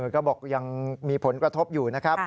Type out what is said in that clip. ก็บอกยังมีผลกระทบอยู่นะครับ